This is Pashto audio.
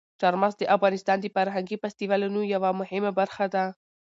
چار مغز د افغانستان د فرهنګي فستیوالونو یوه مهمه برخه ده.